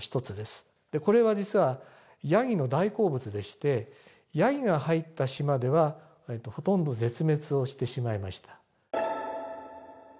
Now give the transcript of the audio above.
これは実はヤギの大好物でしてヤギが入った島ではほとんど絶滅をしてしまいました。